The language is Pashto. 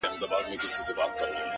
o زه به دا ټول كندهار تاته پرېږدم؛